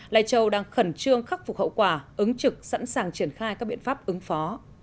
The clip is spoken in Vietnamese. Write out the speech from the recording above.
lai châu đang khẩn trương khắc phục hậu quả ứng trực sẵn sàng triển khai các biện pháp ứng phó